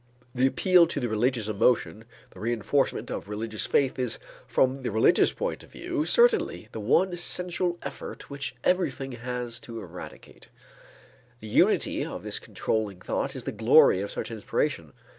The appeal to the religious emotion, the reënforcement of religious faith is from the religious point of view certainly the one central effort from which everything has to irradiate. The unity of this controlling thought is the glory of such inspiration.